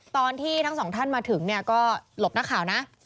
ตอนที่ทั้งสองท่านมาถึงเนี่ยก็หลบนักข่าวนะ